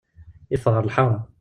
Yeffeɣ ɣer lḥara.